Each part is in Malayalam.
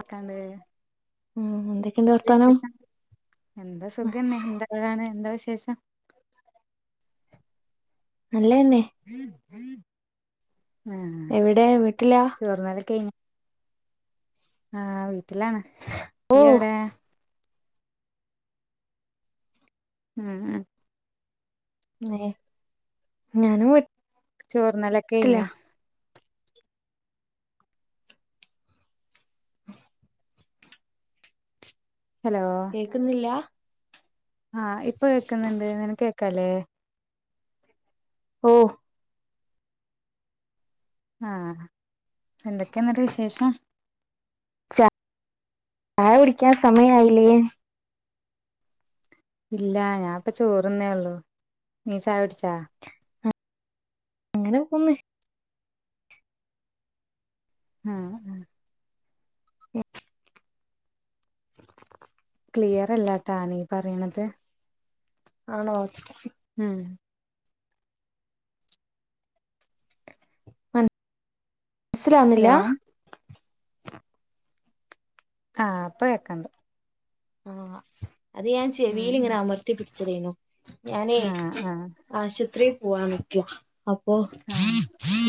അക്കണ്ട് മ് ഹ് എന്തൊക്ക്ണ്ട് വർ വിശേഷം എന്താ സുഖന്നെ എന്താ ആഴാണ് എന്താ വിശേഷം? നല്ലെന്നെ. ആഹ എവിടെ വീട്ടിലാ ചോറ്ന്നല കയ്ഞ്ഞ? ആഹ് വീട്ടിലാണ് ഓ യ്യ് എവ്ടെ? ഉം ഉ ഏ ഞാനും വീ ചോർന്നലൊക്കെയ്ഞാ [inaudible] ഹലോ.. കേക്ക്ന്നില്ലാ ആഹ് ഇപ്പ കേക്ക്ന്ന്ണ്ട് നിനക്കേക്കാലെ ഓഹ്. ആഹ് എന്തൊക്യാന്ന്ട്ട് വിശേഷം ച ആയ കുടിക്കാൻ സമയായില്ലേ ഇല്ല ഞാ ഇപ്പ ചോറ്ന്നേ ഒള്ളു നീ ചായുട്ചാ ങ്ങനെ പോന്ന് ആഹ് ആഹ്. [inaudible] [inaudible] ക്ലിയറല്ലട്ടാ നീ പറീണത്. ആണോ ഉം മൻ സിലാവ്ന്നില്ല ഹലോ ആഹ് പ്പ കേക്കാണ്ട്. ആഹ് അത് ഞാ ഉം ചെവീലിങ്ങനെ ഉം അമർത്തി പിടിച്ചതേനു. ഞാനേ ആഹ് ആഹ് ആശത്രി പോവാനിക്ക അപ്പൊ ആഹ്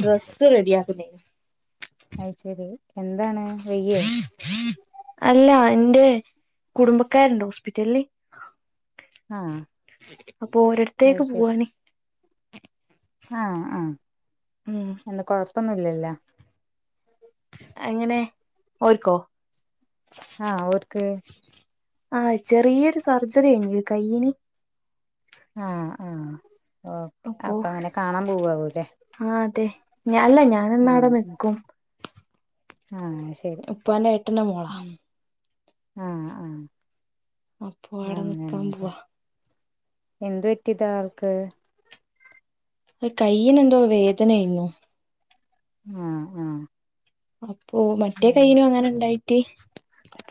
ഡ്രസ് റെഡി യാക്ന്നെ അയ് ശെരി അല്ല എന്റെ കുടുംബക്കാര്ണ്ട് ഹോസ്പിറ്റല്ല്. ആഹ് അപ്പൊ ഒരട്ത്തേക്ക് അയ്ശരി പൂവാന് ആഹ് ആഹ് ഉം എന്ത കൊഴപ്പൊന്നും ഇല്ല്യല്ല എങ്ങനെ ഓര്ക്കോ ആഹ് ഓര്ക്ക് ആഹ് ചെറിയൊരു സർജറി കയ്ഞ് കയ്യിന് ആഹ് ആഹ് ഓക്കേ അപ്പോ അപ്പ അങ്ങനെ കാണാൻ പോവാവും ല്ലേ ആഹ് അതെ ഞഅല്ല ഞാന് ന്ന് അവടെ ആഹ് നിക്കും ആഹ് ശരി ഉപ്പാന്റെ ഏട്ടന്റെ മോളാ ഉം ആഹ് ആഹ് അപ്പൊ അവിടെ അങ്ങനെ നിക്കാൻ [unintelligible] പോവാ എന്ത് പറ്റിതാ ആൾക്ക് ഒര് കയ്യിനെന്തോ വേദനെയ്ന്നു ആഹ് ആഹ് അപ്പൊ മറ്റേ അത് കയ്യിനും അങ്ങനെ ശരി ണ്ടായിറ്റ്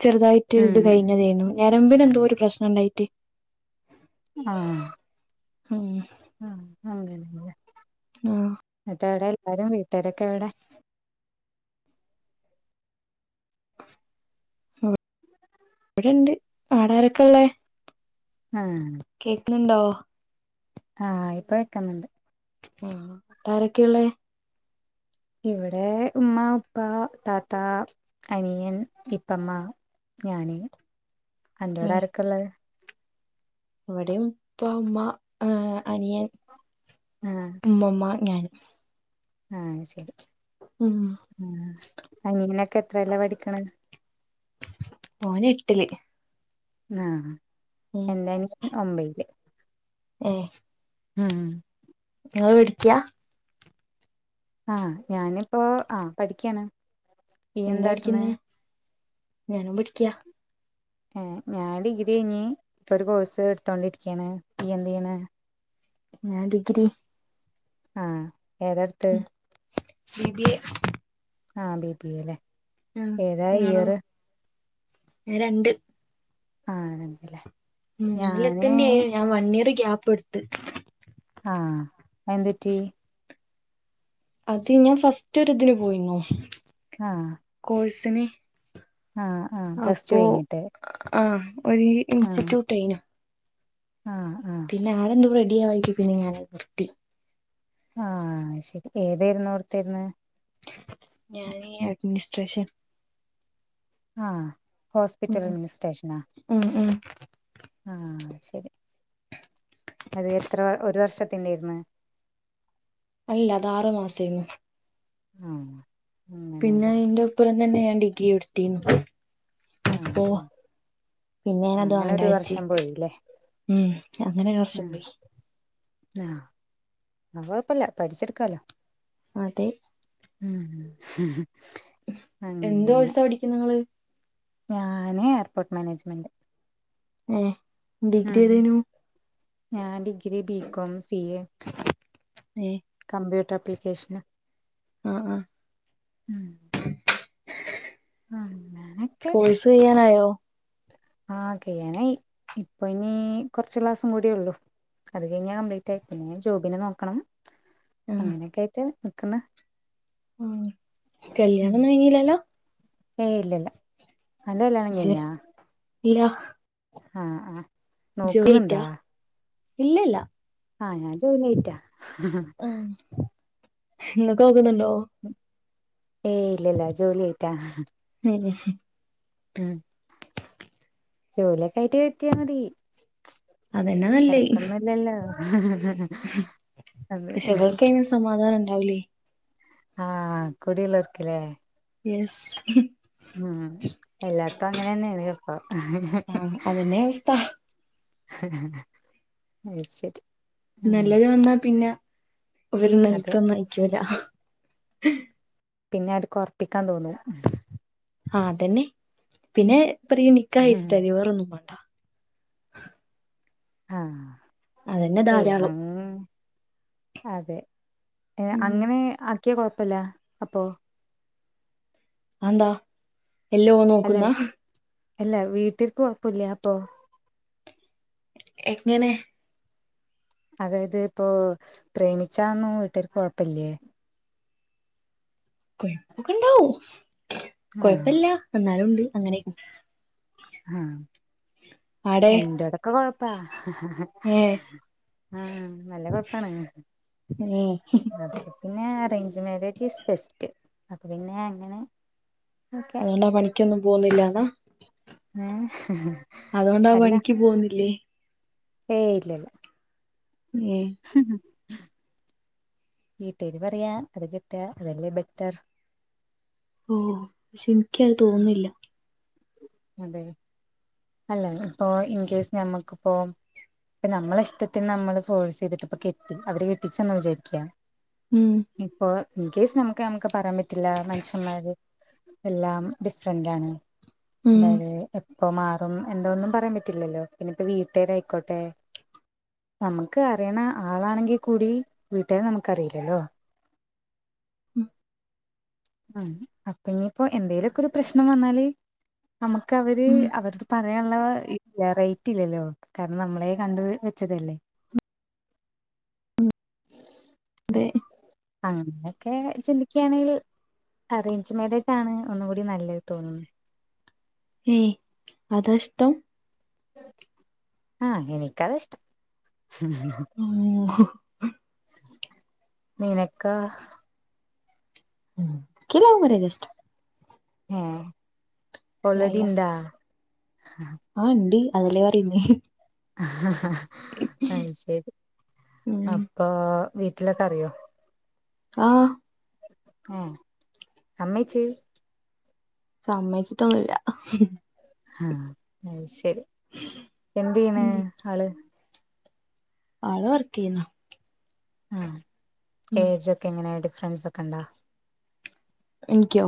ചെറുതായിട്ടൊരു ഇത് ഉം കഴിഞ്ഞതേനു ഞരമ്പിനെന്തോരു പ്രശ്നം ഇണ്ടായിറ്റ് ആഹ് ഉം ആഹ് അങ്ങനെ ല്ലെ ആഹ് ന്നട്ട് എവടെ എല്ലാരും വീട്ടേരൊക്കെ എവ്ടെ അവ വടെണ്ട് ആടാരെക്കെള്ളേ ആഹ് കേക്ക്ണ് ണ്ടോ ആഹ് ഇപ്പ കേക്ക്ന്ന് ണ്ട് ആഹ് അവ്ടാരെക്കെള്ളേ ഇവിടെ ഉമ്മ ഉപ്പ താത്ത അനിയൻ ഇപ്പമ്മ ഞാന് അന്റോട ആരൊക്കെയള്ളത് അവിടെയും ഇപ്പൊ ഉമ്മ അനിയൻ അഹ് ഉമ്മമ്മ ഞാൻ ആ ശരി ഉം ആ അങ്ങനൊക്കെ എത്രല്ല പഠിക്കണ ഓന എട്ടില് ആ ഉം എന്ത ഞാൻ ഒമ്പയില് ഏഹ് ഉം നിങ്ങള് പേടിക്കയാ ആഹ് ഞാനിപ്പോ ആ പഠിക്കയാണ് എന്താ പഠിക്കുന്ന ഞാനും പടിക്ക ഏ ഞാൻ ഡിഗ്രി കഴിഞ്ഞ് ഇപ്പൊ ഒരു കോഴ്സ് എടുത്തോണ്ടിരിക്കുകയാണ് പി എന്ത് ചെയ്യണ് ഞാൻ ഡിഗ്രി ആ ഏതാടുത് ബി ബി എ ആഹ് ബിപിയ അല്ലേ ആ നിങ്ങളോ രണ്ട് ആഹ് ണ്ടല്ലേ അതിലൊക്കെണ്ട ആായി ഞാൻ വൺ ഇയർ ഗ്യാപ്പ് എടുത്ത് ആഹ് എന്ത്‌ പറ്റി അത് ഞാൻ ഫസ്റ്റ് ഒതിന് പോയിന്നോ ആഹ് കോഴ്സിന് ആഹ് ആഹ് പ്ലസ് ടു അപ്പോ കഴിഞ്ഞിട്ട് ആ ഒരു ഇൻസ്റ്റിറ്റ്യൂട്ട്യനു ആ ആഹ് പിന്നെ ആടെ എന്തും റെഡിയ ആ പിന്നെ ഞാനൻ നിർത്തി ആഹ് ശരി ഏതായിരുന്നു ഓർത്തരന്ന് ഞാനീ അഡ്മിനിസ്ട്രേഷൻ ആ ഹോസ്പിറ്റൽ ഉം അഡ്മിനിസ്ട്രേഷനാ ഉം ഉം ആഹ് ശരി അത് എത്ര ഒരു വർഷത്തിന്റെ ഇന്ന് അല്ല അത് ആറു മാസേന്ന് ഉം പിന്നെ എന്റെപ്പുറം തന്നെ ഞാൻ ഡിഗ്രി എടുത്തിരുന്നു ആഹ് ഉ പിന്നെ ഞാനത് അങ്ങനെ ഒരു വാണ്ടാച്ച് വർഷം പോയില്ലേ ഉം അങ്ങനെ ഒരു വർഷം ഉം പോയി ആ ന കുഴപ്പല്ല പഠിച്ചെടുക്കാലോ അതെ [unintelligible] എന്തോ അങ്ങനെ വസാ പിടിക്കും നിങ്ങള് ഞാന് എയർപോർട്ട് മാനേജ്മെന്റ് ഏഹ് ഡിഗ്രി ഉം ഏതേനു ഞാൻ ഡിഗ്രി ബികോം സി എ ഏഹ് കമ്പ്യൂട്ടർ അപ്ലിക്കേഷന് ആ ആഹ് ഉം ആഹ് അങ്ങനൊക്കെ വിസ കയ്യാനായോ ആ കേറി ഇപ്പൊ ഇനി കുറച്ചു ക്ലാസും കൂടി ഉള്ളു അത് കഴിഞ്ഞാ കംപ്ലീറ്റ് ആയി പിന്നെ ജോബിന് നോക്കണം ആഹ് അങ്ങനെയൊക്കെ ആയിട്ട് നിക്കുന്നു ആഹ് കല്യാണം ഒന്നും കഴഞ്ഞില്ലല്ലോ ഏയ് ഇല്ലില്ല തന്റെ കല്ല്യാണം ജ് കഴിഞ്ഞാ ഇല്ല ആഹ് ആഹ് ജോലി കിട്ടിയാ നോക്കുന്നുണ്ടാ ഇല്ല ഇല്ല ആഹ് ഞാൻ ജോലി ആയിറ്റാ ഉം ഇങ്ങക്ക് നോക്കുന്നുണ്ടോ ഏയ് ഇല്ലില്ല ജോലി ആയിട്ടാ ഉം ഉം ജോലിയൊക്കെ ആയിട്ട് കെട്ടിയാ മതി അതന്നെ തിരക്കൊന്നുംല്ലല്ലോ അതെ പഷെ അവർക്കതിന് സമാധാനം ഉണ്ടാവൂലേ ആഹ് കുടിയൊലോക്കില്ലേ യെസ് ഉം എല്ലാടുത്തും അങ്ങനെയന്നെയാ ചെലപ്പം ആഹ് അതന്നെ അവസ്ഥ അത് ശെരി നല്ലത് വന്നാ പിന്നെ അവര് അതെ നിലത്തൊന്നും ആയിരിക്കൂല പിന്നെ അവർക്ക് ഉറപ്പിക്കാൻ തോന്നും ആഹ് അതന്നെ പിന്നെ പറയും നിക്കാഹ് കയിച്ചിട്ട് തരോ വേറൊന്നും വേ ആഹ് അതന്നെ ഏയ് ധാരാളം അങ്ങ അതെ ഏ ഉം അങ്ങനെ ആക്കിയാ കൊഴപ്പില്ല അപ്പൊ അഅന്താ എല്ലോ ഓൻ അല്ല നോക്കുന്ന അല്ല വീട്ടില്ക്ക് കൊഴപ്പില്ല അപ്പൊ എങ്ങനെ അതായത് ഇപ്പോ പ്രേമിച്ചാന്നും വീട്ടുകാർക്ക് കൊഴപ്പില്ലേ കൊഴപ്പൊക്കെ ഇണ്ടാവും ആഹ് കൊഴപ്പില്ല എന്നാലും ഉണ്ട് അങ്ങനെ ആഹ് ആടെ എന്റെവടൊക്കെ കൊഴപ്പാ ഏഹ് ആഹ് നല്ല കൊഴപ്പാണ് ഏഹ് പിന്നെ അറേഞ്ച് മാരേജ് ഈസ് ബെസ്റ്റ് അത് പിന്നെ അങ്ങനെ ഓക്കെ അതുകൊണ്ടാ പണിക്കൊന്നും പോകുന്നില്ലാന്നാ [unintelligible] അതുകൊണ്ടാ അല്ല പണിക്ക് പോകുന്നില്ലേ ഏയ് ഇല്ലില്ല ഉം വീട്ടുകാര് പറയാ അത് കെട്ടാ അതല്ലേ ബെറ്റർ ഓ പക്ഷെ എനിക്ക് അത് തോന്നുന്നില്ല അതെ അല്ല ഇപ്പൊ ഇൻ കേസ് ഞമ്മക്കിപ്പോ ഇപ്പൊ നമ്മള ഇഷ്ടത്തിന് നമ്മള് ഫോഴ്സ് ചെയ്തിട്ടിപ്പൊ കെട്ടും അവര് കെട്ടിച്ചന്ന് വിചാരിക്കുക ഉം ഇപ്പോ ഇൻകേസ് നമുക്ക് നമുക്ക് പറയാൻ പറ്റില്ല മനുഷ്യന്മാര് എല്ലാം ഡിഫറന്റാണ് ഉം അതായത് എപ്പം മാ അപ്പം എന്തോന്നും പറയാൻ പറ്റില്ലല്ലോ പിന്നെ ഇപ്പൊ വീട്ടുകാരായിക്കോട്ടെ നമുക്ക് അറിയണ ആളാണെങ്കിൽ കൂടി വീട്ടുകാരെ നമുക്കറിയില്ലല്ലോ ഉം ഉം അപ്പൊ ഇനിയിപ്പോ എന്തേലുമൊക്കെ ഒരു പ്രശ്നം വന്നാല് നമുക്ക് അവര് ഉം അവരോട് പറ അങ്ങനെയുള്ള വെറൈറ്റി ഇല്ലല്ലോ കാരണം നമ്മളെ കണ്ട് വെച്ചതല്ലേ [inaudible] അതെ അങ്ങനെയൊക്കെ ചിന്തിക്കയാണെങ്കിൽ അറേഞ്ച് മേരേജ് ആണ് ഒന്നുംകൂടി നല്ലത് തോന്നുന്നു ഏഹ് അതാഷ്ടം ആഹ് എനിക്കതാ ഇഷ്ടം ഉം ഓഹ് നീനക്കോ ഉം ഇയ്ക്ക്‌ ലവ് മേരെജാ ഇഷ്ടം ഏഹ് യാ ഓൾറെഡി യാ ണ്ടാ ആഹ് ണ്ട് അതല്ലേ പറയുന്നേ അയ്ശരി ഉം അപ്പൊ വീട്ടിലൊക്കെ അറിയോ ആഹ് ഏഹ് സമ്മയ്ച്ച് സമ്മയ്ച്ചിട്ടൊന്നുല്ല ആഹ് അയ്ശരി എന്തയ്യണ് ഉം ആള് ആള് വർക്കെയ്യ്ന്ന ആഹ് ഏജ ഒക്കെ എങ്ങനെ ഡിഫറൻസ് ഒക്കെണ്ടാ എനിക്കോ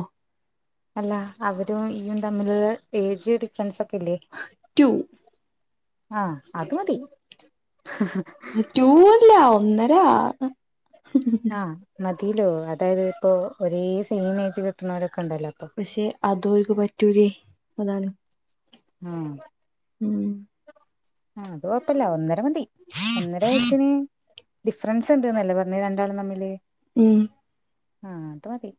അല്ല അവരും നീയും തമ്മിലുള്ള ഏജ് ഡിഫറെൻസ് ഫ്രണ്ട്സൊക്കെ ഇല്ലേ ടു ആഹ് അത് മതി ടു അല്ല ഒന്നര ആഹ് മതിലോ അതായത് ഇപ്പോ ഒരേ സെയിം ഏജ് കിട്ടുന്നവരൊക്കെ ഉണ്ടല്ലോ ഇപ്പൊ പക്ഷെ അതോൽക്ക് പറ്റൂലെ അതാണ് ആഹ് ഉം ആഹ് അത് കൊഴപ്പല്ല ഒന്നര മതി ഒന്നര വയസ്സിന് ഡിഫ്റൻസ് ണ്ട്ന്നല്ലെ പർഞ്ഞെ ര ണ്ടാളും തമ്മില് ഉം ആഹ് അത് മതി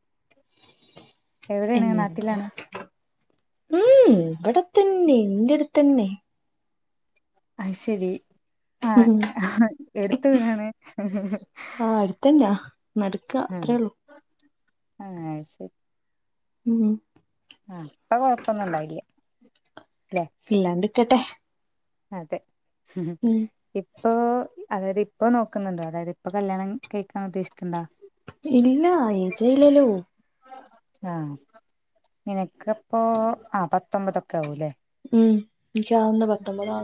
ഉം എവിടെയാണ് നാട്ടിലാണ് ഇവടെത്തന്നെ ഇന്റെട്ത്തന്നെ അയ്ശെരി ആഹ് ഉം ആഹ് എട്ത്ത് വീടാണ് നട്ക്കാ ആഹ് അത്രേള്ളൂ ആഹ് ശെരി ഉം ആഹ് അപ്പൊ കൊഴപ്പൊന്നും ഇണ്ടാവില്യാ അല്ലേ ഇല്ലാണ്ടിക്കട്ടെ അതെ ഉം ഇപ്പൊ അതായത് ഇപ്പോ നോക്ക്ന്ന്ണ്ടോ അതായത് ഇപ്പൊ കല്യാണം കഴിക്കാൻ ഉദ്ദേശ്ക്ക്ണ്ടോ ഇല്യാ ഏജായില്ലല്ലോ ആഹ് നിനക്ക്പ്പോ ആഹ് പത്തൊമ്പതൊക്കെ ആവൂലെ ഉം ഇൻക്കിവുന്നു പത്തൊമ്പതാ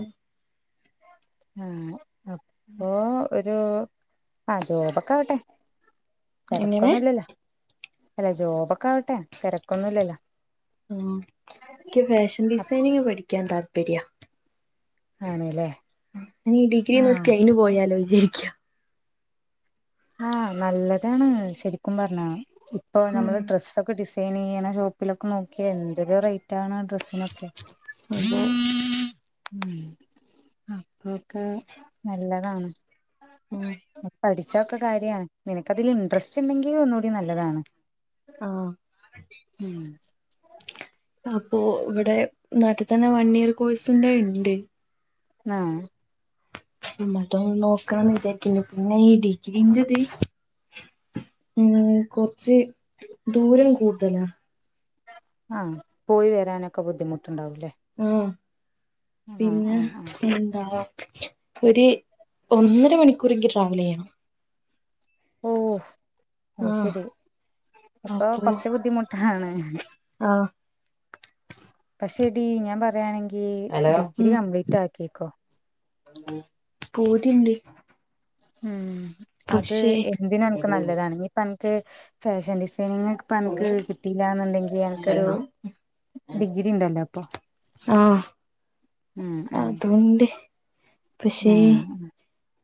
ആഹ് അപ്പോ ഒരു ആഹ് ഇരുപതൊക്കാവട്ടെ എങ്ങനെ തെരക്കൊന്നുല്ലല്ലോ അല്ല ജോബക്കെ ആവട്ടെ തിരക്കൊന്നുംല്ലല്ലോ ആഹ് ഇയ്ക്ക് ഫാഷൻ ഡിസൈനിങ് പഠിക്കാൻ താല്പര്യാ ആണ്ല്ലേ ഡിഗ്രി ആഹ് നിർത്തി ഐന് പോയാലോ വിചാര്ക്യാ ആഹ് നല്ലതാണ് ശെരിക്കും പർഞ്ഞാ ഇപ്പൊ ഉം നമ്മള് ഡ്രസ്സൊക്കെ ഡി സൈനെയ്യ്ണ ഷോപ്പിലൊക്കെ നോക്ക്യാ എന്തൊരു റൈറ്റാണ് ഡ്രസ്സിനൊക്കെ അതെ ഉം അപ്പൊക്കെ നല്ലതാണ് അങ്ങനെ പഠിച്ചാ ഒക്കെ കാര്യാണ് നിനക്ക് അതില് ഇൻട്രസ്റ്റ് ഇണ്ടെങ്കീ ഒന്നൂടി നല്ലതാണ് ആഹ് ഉം അപ്പോ ഇവിടെ നാട്ട് തന്നെ വൺ ഇയർ കോഴ്സിന്റെ ഇണ്ട് ആഹ് മറ്റോന്ന് നോക്കാന്ന് വിചാര്ക്കിന്ന് പിന്നെ ഈ ഡിഗ്രിന്റേത് ഉം കൊർച്ച് ദൂരം കൂട്തലാ ആഹ് പോയി വരാനൊക്കെ ബുദ്ധിമുട്ട്ണ്ടാവൂലെ ആഹ് പിന്നെ ആഹ് എന്താ ഒര് ഒന്നര മണിക്കൂറെങ്കിലും ട്രാവലെയ്യണം ഓ അത് ആഹ് ശെരി അപ്പൊ കൊർച്ച്‌ ബുദ്ധിമുട്ടാണ് ആഹ് പക്ഷെ ടീ ഞാൻ പറയയാണെങ്കി ഹലോ ഡിഗ്രി ഉം കംപ്ലീറ്റാക്കിക്കോ പൂതിണ്ട് ഉം അത് പക്ഷേ എന്തിനും അൻക്ക് നല്ലതാണ് ഇഞ്ഞിപ്പൻക്ക് ഫാഷൻ ഡിസൈനിങ് ഇപ്പൊ അൻക്ക് കിട്ടീല്ലാന്ന്ണ്ടെങ്കി അൻക്കത് ഡിഗ്രിണ്ടല്ലോ ആഹ് ഉം അതൂണ്ട് പക്ഷേ ആഹ്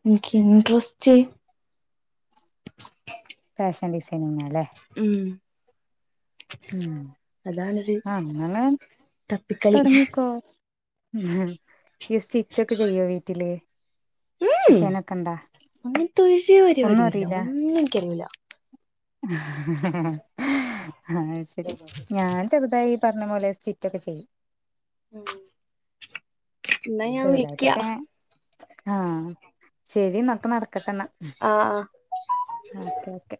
ഇൻക്ക് ഇൻട്രസ്റ്റ് ഫാഷൻ ഡിസൈനിങ്ങ്ലെ ഉം ഉം അതാണൊരു അങ്ങനെ തപ്പിക്കളി ഇ സ്റ്റിച്ച് ഒക്കെ ചെയ്യോ വീട്ടില് ഹ് മിഷീനൊക്കെ ഇണ്ടാ അങ്ങനത്തെ ഒരു ഒന്നും പരിപാടിയല്ലാ. ഒന്നും എനിക്കറിയുല്ല ആഹ ശരി ഞാൻ ചെറുതായി പറഞ്ഞ പോലെ സ്റ്റിച്ച് ഒക്കെ ചെയ്യും ഹം [unintelligible] ചെറുതായിട്ടൊക്കെ ആഹ ശരി എന്നാ നടക്കട്ടെന്നാൽ ആഹ് ആഹ് ഓക്കെ ഓക്കെ